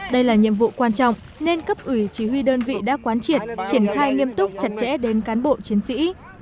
đây là nhiệm vụ quan trọng nên cấp ủy chỉ huy đơn vị đã quán triệt triển khai nghiêm túc chặt chẽ đến cán bộ chiến sĩ